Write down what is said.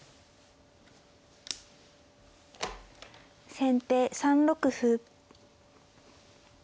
先手３六歩。